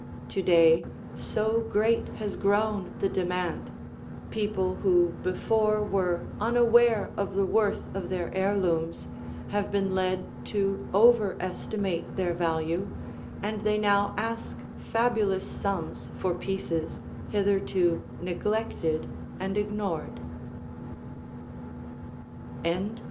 To day, so great has grown the demand, people who before were unaware of the worth of their heirlooms have been led to overestimate their value and they now ask fabulous sums for pieces hitherto neglected and ignored.